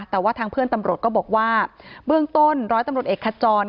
แต่ว่าทางเพื่อนตำรวจก็บอกว่าเบื้องต้นร้อยตำรวจเอกขจร